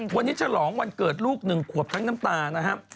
วันนี้ฉลองวันเกิดลูก๑ขวบทั้งน้ำตานะครับ